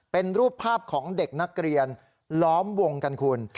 เป็นรูปภาพของเด็กนักเรียนล้อมวงกันคุณ